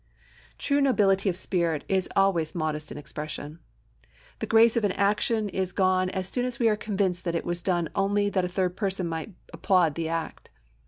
True nobility of spirit is always modest in expression. The grace of an action is gone as soon as we are convinced that it was done only that third persons might applaud the act.